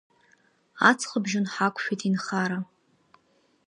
Аҵхыбжьон ҳақәшәеит инхара.